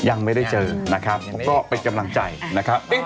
ยังไม่ได้เจอนะครับก็เป็นกำลังใจนะครับ